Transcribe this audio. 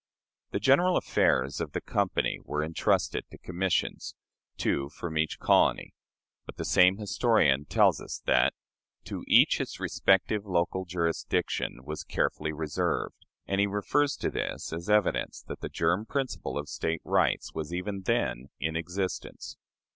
" The general affairs of the company were intrusted to commissions, two from each colony; but the same historian tells us that "to each its respective local jurisdiction was carefully reserved," and he refers to this as evidence that the germ principle of State rights was even then in existence.